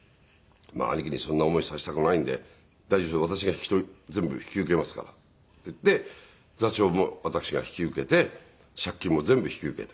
兄貴にそんな思いさせたくないんで「大丈夫ですよ。私が全部引き受けますから」って言って座長も私が引き受けて借金も全部引き受けて。